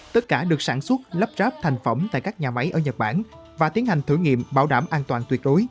tất cả được sản xuất lắp ráp thành phẩm tại các nhà máy ở nhật bản và tiến hành thử nghiệm bảo đảm an toàn tuyệt đối